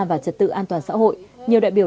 và trật tự an toàn xã hội nhiều đại biểu